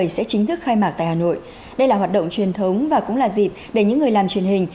sẽ chính thức khai mạc tại hà nội đây là hoạt động truyền thống và cũng là dịp để những người làm truyền hình